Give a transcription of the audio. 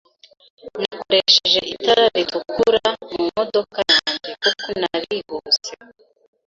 Nakoresheje itara ritukura mu modoka yanjye, kuko narihuse.